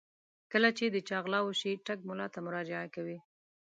کله چې د چا غلا وشي ټګ ملا ته مراجعه کوي.